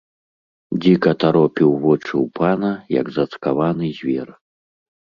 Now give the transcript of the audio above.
Дзіка таропіў вочы ў пана, як зацкаваны звер.